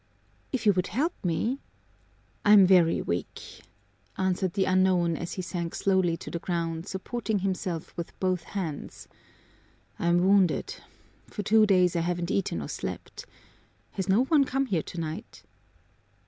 "If you would help me " "I'm very weak," answered the unknown as he sank slowly to the ground, supporting himself with both hands. "I'm wounded. For two days I haven't eaten or slept. Has no one come here tonight?"